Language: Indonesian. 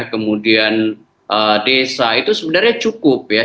kemudian desa itu sebenarnya cukup ya